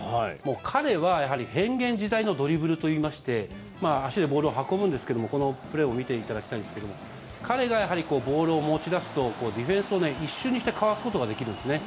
彼は、やはり変幻自在のドリブルといいまして足でボールを運ぶんですけどこのプレーを見ていただきたいんですけども彼がボールを持ち出すとディフェンスを一瞬にしてかわすことができるんですね。